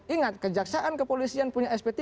ingat kejaksaan kepolisian punya sp tiga